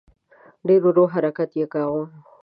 ډېر ورو حرکت یې کاوه.